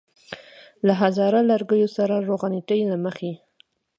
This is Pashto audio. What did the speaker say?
له هزاره لږکیو سره روغنيتۍ له مخې.